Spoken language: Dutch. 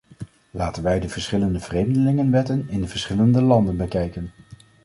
Laten wij de verschillende vreemdelingenwetten in de verschillende landen bekijken.